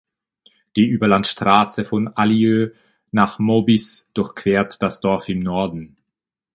Die Überlandstraße von Aileu nach Maubisse durchquert das Dorf im Norden.